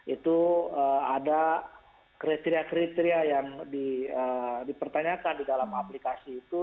itu ada kriteria kriteria yang dipertanyakan di dalam aplikasi itu